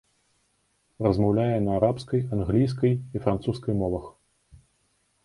Размаўляе на арабскай, англійскай і французскай мовах.